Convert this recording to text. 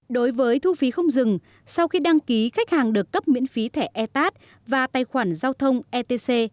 đối với thu phí không dừng sau khi đăng ký khách hàng được cấp miễn phí thẻ etat và tài khoản giao thông etc